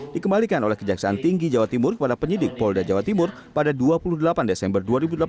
dikembalikan oleh kejaksaan tinggi jawa timur kepada penyidik polda jawa timur pada dua puluh delapan desember dua ribu delapan belas